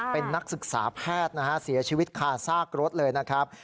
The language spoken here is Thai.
เป็นนักศึกษาแพทย์นะฮะเสียชีวิตคาซากรถเลยนะครับ